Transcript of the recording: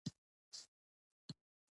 ښه قام کول د ستونې او غاړې درد کموي.